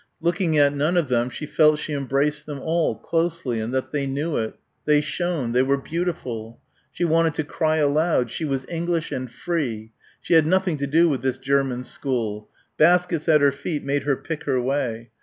Looking at none of them she felt she embraced them all, closely, and that they knew it. They shone. They were beautiful. She wanted to cry aloud. She was English and free. She had nothing to do with this German school. Baskets at her feet made her pick her way.